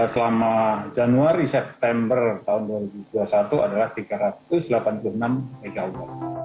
selama januari september tahun dua ribu dua puluh satu adalah tiga ratus delapan puluh enam mw